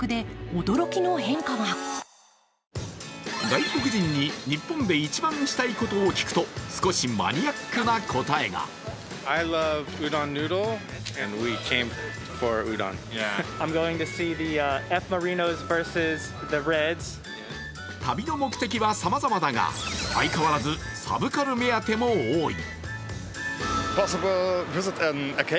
外国人に日本で一番したいことを聞くと少しマニアックな答えが旅の目的はさまざまだが、相変わらずサブカル目当ても多い。